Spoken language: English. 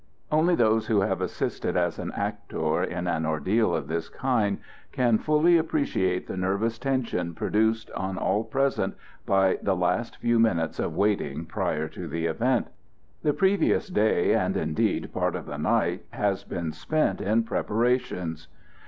Only those who have assisted as an actor in an ordeal of this kind, can fully appreciate the nervous tension produced on all present by the last few minutes of waiting prior to the event. The previous day, and indeed part of the night, has been spent in preparations.